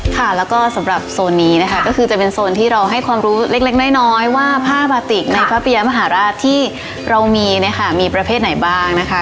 ค่ะแล้วก็สำหรับโซนนี้นะคะก็คือจะเป็นโซนที่เราให้ความรู้เล็กน้อยว่าผ้าบาติกในพระปริยมหาราชที่เรามีเนี่ยค่ะมีประเภทไหนบ้างนะคะ